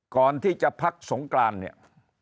ก่อนที่จะพักสงกรานเนี่ย